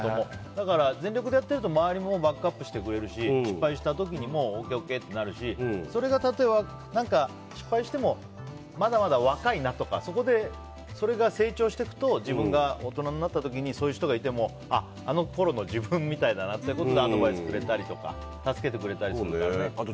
だから全力でやっていたら周りもバックアップしてくれるし失敗してもＯＫＯＫってなるしそれが例えば失敗してもまだまだ若いなとかそこで成長していくと自分が大人になった時にそういう人がいてもあのころの自分みたいだなということでアドバイスくれたりとか助けてくれたりするからね。